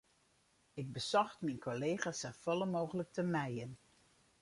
Ik besocht myn kollega's safolle mooglik te mijen.